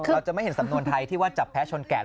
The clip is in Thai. เราจะไม่เห็นสำนวนไทยที่ว่าจับแพ้ชนแก่